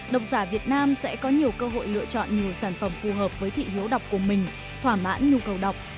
đọc giả việt nam sẽ có nhiều cơ hội lựa chọn nhiều sản phẩm phù hợp với thị hiếu đọc của mình thỏa mãn nhu cầu đọc